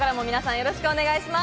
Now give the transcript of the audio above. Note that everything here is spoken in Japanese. よろしくお願いします。